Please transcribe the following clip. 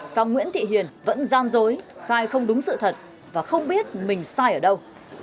sau nguyễn thị hiền vẫn gian dối khai không đúng sự thật và không biết mình sai ở đâu